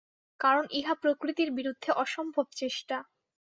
কারণ ইহা প্রকৃতির বিরুদ্ধে অসম্ভব চেষ্টা।